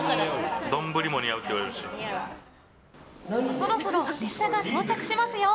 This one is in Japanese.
そろそろ列車が到着しますよ。